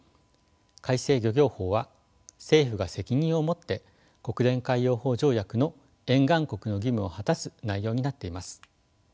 改正漁業法は政府が責任を持って国連海洋法条約の沿岸国の義務を果たす内容になっています。